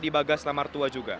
di bagas namertua juga